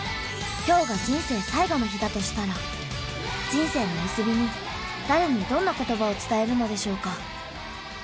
今日が人生最後の日だとしたら人生の結びに誰にどんな言葉を伝えるのでしょうか？